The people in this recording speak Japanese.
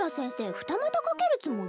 二股かけるつもり？